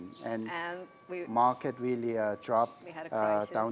dan pasar tersebut benar benar menurun ke bawah